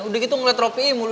udah gitu ngeliat ropi'i mulu